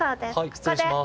失礼します。